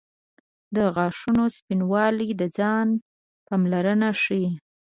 • د غاښونو سپینوالی د ځان پاملرنه ښيي.